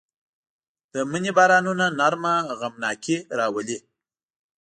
د مني بارانونه نرمه غمناکي راولي